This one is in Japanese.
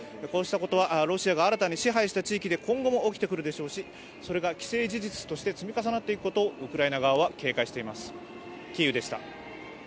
こうしたことは、ロシアが新たに支配した地域で今後も起きてくるでしょうしそれが既成事実として積み重なっていくことをウクライナ側は警戒しています。